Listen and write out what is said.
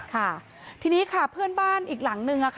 ค่ะทีนี้ค่ะเพื่อนบ้านอีกหลังนึง